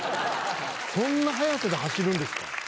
そんな速さで走るんですか？